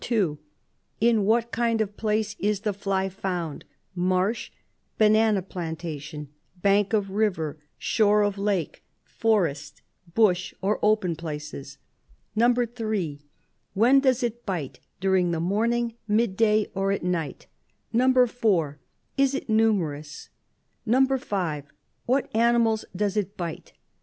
(2) In what kind of place is the fly found : marsh , banana plantation, bank of river, shore of lake, forest, bush, or open places? (3) When does it bite : during the morn ing, mid day, or at night? (4) Is it numerous? (5) What animals does it bite?